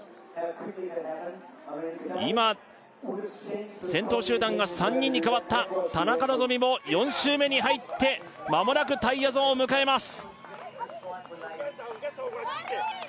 今先頭集団が３人に変わった田中希実も４周目に入ってまもなくタイヤゾーンを迎えます